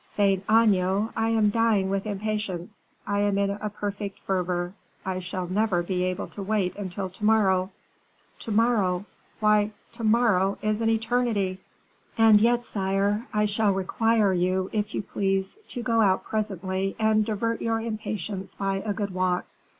"Saint Aignan, I am dying with impatience; I am in a perfect fever; I shall never be able to wait until to morrow to morrow! why, to morrow is an eternity!" "And yet, sire, I shall require you, if you please, to go out presently and divert your impatience by a good walk."